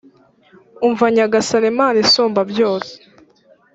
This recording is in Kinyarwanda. umva nyagasani imana isumba byose